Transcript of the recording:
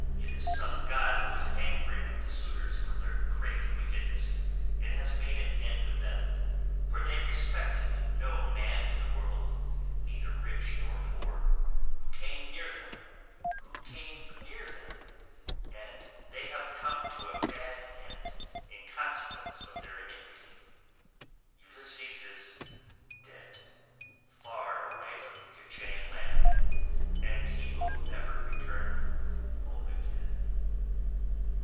It is some god who is angry with the suitors for their great wickedness, and has made an end of them; for they respected no man in the whole world, neither rich nor poor, who came near them, and they have come to a bad end in consequence of their iniquity; Ulysses is dead far away from the Achaean land; he will never return home again."